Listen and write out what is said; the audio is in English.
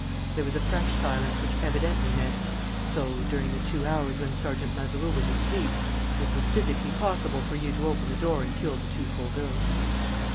There was a fresh silence, which evidently meant: "So, during the two hours when Sergeant Mazeroux was asleep, it was physically possible for you to open the door and kill the two Fauvilles."